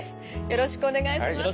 よろしくお願いします。